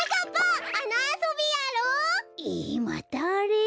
またあれ？